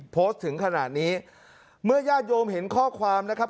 โพสต์ถึงขนาดนี้เมื่อญาติโยมเห็นข้อความนะครับ